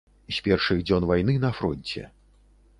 З першых дзён вайны на фронце.